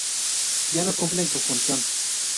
Ya no cumplen su función.